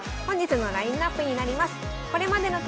本日のラインナップになります。